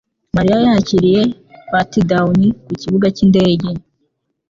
Mariya yakiriye patdown ku kibuga cyindege